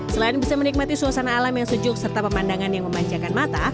selain bisa menikmati suasana alam yang sejuk serta pemandangan yang memanjakan mata